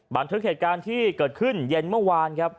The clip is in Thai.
บันทึกเหตุการณ์ที่เกิดขึ้นเย็นเมื่อวานครับ